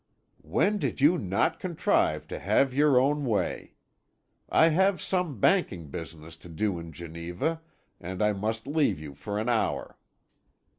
"When did you not contrive to have your own way? I have some banking business to do in Geneva, and I must leave you for an hour."